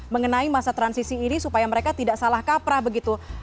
mengenai masa transisi ini supaya mereka tidak salah kaprah begitu